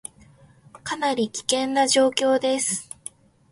かなり危険な状況です